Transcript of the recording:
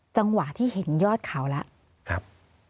จังหวะที่เห็นยอดเขาแล้ว